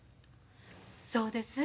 そうです。